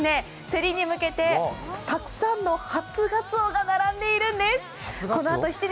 こちらでは、競りに向けてたくさんの初がつおが並んでいるんです。